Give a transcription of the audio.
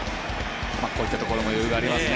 こういったところも余裕がありますね。